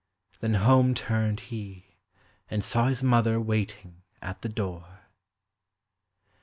Then home turned he And saw his mother waiting at the door.